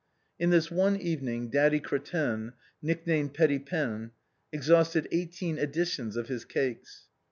In this one evening Daddy Cretaine, nicknamed Petit Pain, exhausted eighteen editions of his cakes.